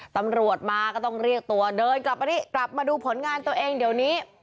ตำรวจมาก็ต้องเรียกตัวเดินกลับมานี่กลับมาดูผลงานตัวเองเดี๋ยวนี้